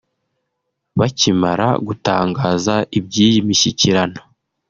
Bakimara gutangaza iby’iyi mishyikirano